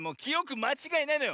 まちがいないのよ。